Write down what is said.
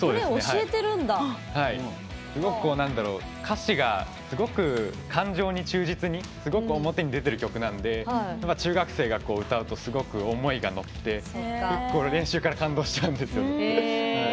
すごく、歌詞が感情に忠実にすごく表に出てる曲なんで中学生が歌うとすごく思いが乗って結構、練習から感動しちゃうんですよね。